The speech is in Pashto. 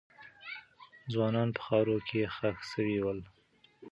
ځوانان په خاورو کې خښ سوي ول.